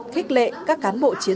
thích lệ các cán bộ chiến